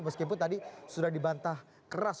meskipun tadi sudah dibantah keras